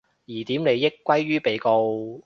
疑點利益歸於被告